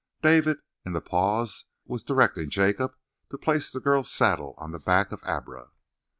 David, in the pause, was directing Jacob to place the girl's saddle on the back of Abra.